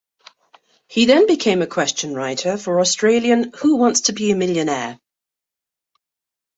He then became a question writer for Australian Who Wants to Be a Millionaire?